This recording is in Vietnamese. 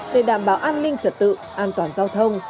để đảm bảo an ninh trật tự an toàn giao thông